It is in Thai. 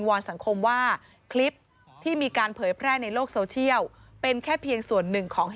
ตอนแรกเขาก็ผมก็ชบต่อยกันและทีนี้ผมก็เดินข้ามมาอีกวันหนึ่ง